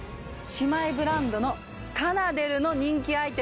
姉妹ブランドのカナデルの人気アイテム